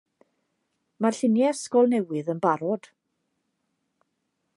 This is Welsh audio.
Mae'r lluniau ysgol newydd yn barod.